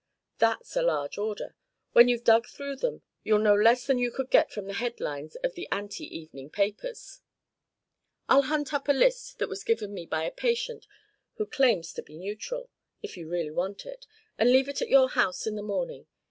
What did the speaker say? "That's a large order. When you've dug through them you'll know less than you could get from the headlines of the 'anti' evening papers. I'll hunt up a list that was given me by a patient who claims to be neutral, if you really want it, and leave it at your house in the morning.